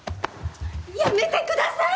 やめてください！